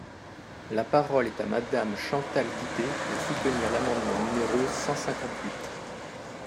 La parole est à Madame Chantal Guittet, pour soutenir l’amendement numéro cent cinquante-huit.